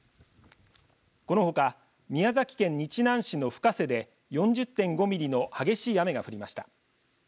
このほか、宮崎県日南市の深瀬で４０．５ミリの激しい雨が降りました。